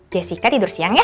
jessica tidur siang ya